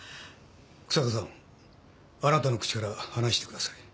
日下さんあなたの口から話してください。